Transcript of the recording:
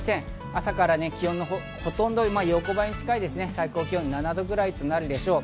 朝から気温はほとんど横ばい、最高気温７度くらいとなるでしょう。